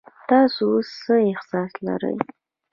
تاسو اوس څه احساس لرئ؟